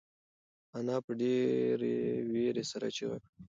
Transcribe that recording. انا په ډېرې وېرې سره چیغه کړه.